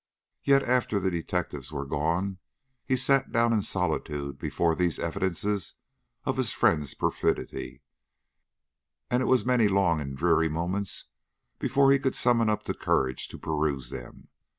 Yet, after the detectives were gone, and he sat down in solitude before these evidences of his friend's perfidy, it was many long and dreary moments before he could summon up courage to peruse them.